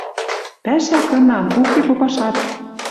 Пӓшӓ кынан, уке попашат.